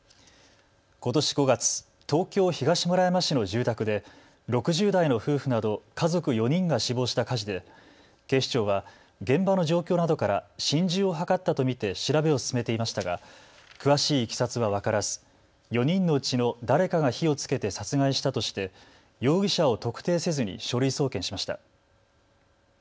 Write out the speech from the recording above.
ことし５月、東京東村山市の住宅で６０代の夫婦など家族４人が死亡した火事で警視庁は現場の状況などから心中を図ったと見て、調べを進めていましたが詳しいいきさつは分からず、４人のうちの誰かが火をつけて殺害したとして容疑者を特定せずに書類送検しました。